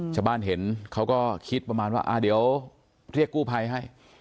ชาวบ้านเห็นเขาก็คิดประมาณว่าเดี๋ยวเรียกกู้ภัยให้